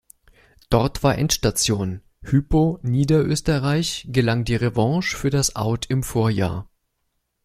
Dort war Endstation, Hypo Niederösterreich gelang die Revanche für das Out im Vorjahr.